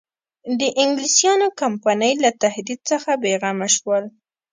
د انګلیسیانو کمپنۍ له تهدید څخه بېغمه شول.